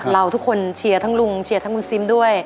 เราทุกคนเชียร์ทั้งลุงเชียร์ทั้งคุณซิมด้วย